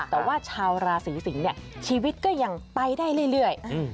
แต่ว่าชาวราศีสิงศ์เนี่ยชีวิตก็ยังไปได้เรื่อย